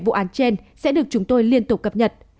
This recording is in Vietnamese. vụ án trên sẽ được chúng tôi liên tục cập nhật